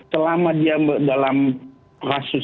selama dia dalam kasus